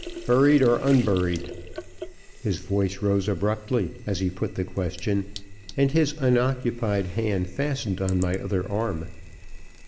"Buried or unburied?" His voice rose abruptly as he put the question, and his unoccupied hand fastened on my other arm.